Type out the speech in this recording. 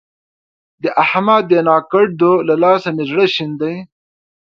د احمد د ناکړدو له لاسه مې زړه شين دی.